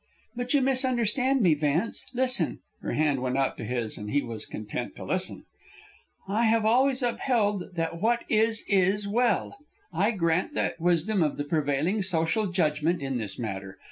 "But you misunderstand me, Vance. Listen." Her hand went out to his, and he was content to listen. "I have always upheld that what is is well. I grant the wisdom of the prevailing social judgment in this matter.